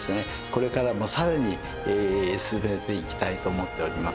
これからもさらに進めていきたいと思っております。